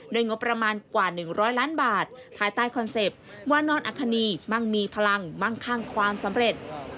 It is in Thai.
งบประมาณกว่า๑๐๐ล้านบาทภายใต้คอนเซ็ปต์ว่านอนอัคคณีมั่งมีพลังมั่งข้างความสำเร็จ